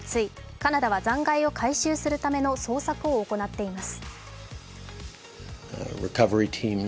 カナダは残骸を回収するための捜索を行っています。